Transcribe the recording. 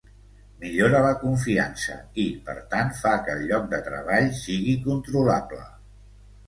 Millora la confiança i, per tant, fa que el lloc de treball sigui controlable.